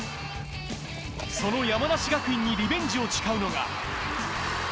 その山梨学院にリベンジを誓うのが。